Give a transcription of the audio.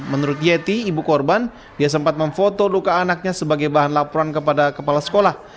menurut yeti ibu korban dia sempat memfoto duka anaknya sebagai bahan laporan kepada kepala sekolah